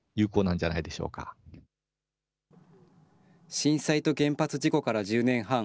震災と原発事故から１０年半。